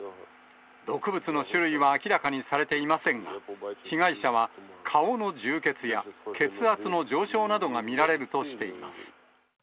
毒物の種類は明らかにされていませんが、被害者は顔の充血や血圧の上昇などが見られるとしています。